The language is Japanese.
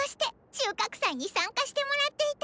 収穫祭に参加してもらっていたの！